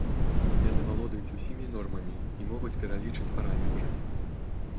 Яны валодаюць усімі нормамі і могуць пералічыць параметры.